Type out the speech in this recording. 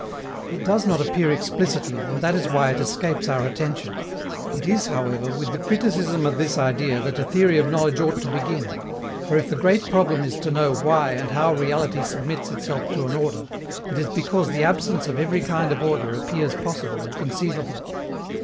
It does not appear explicitly, and that is why it escapes our attention. It is, however, with the criticism of this idea that a theory of knowledge ought to begin, for if the great problem is to know why and how reality submits itself to an order, it is because the absence of every kind of order appears possible or conceivable.